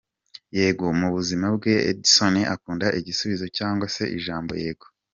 Y: Yego, mu buzima bwe, Edyzzon akunda igisubizo cyangwa se ijambo Yego.